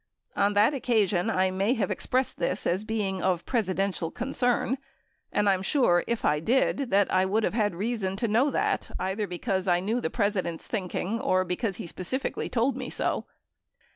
On that occasion, I may have expressed this as being of Presidential concern and I'm sure if I did that I would have had reason to know that either because I knew the President's thinking or because he specifically told me so.